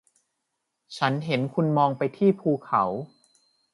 ฉันเห็นคุณมองไปที่ภูเขา